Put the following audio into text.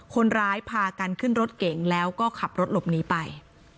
คนร้ายพากันขึ้นรถเก่งแล้วก็ขับรถหลบหนีไป